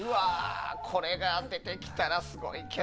これが出てきたらすごいけどな。